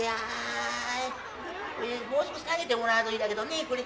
もう少し下げてもらうといいだけどねこれ。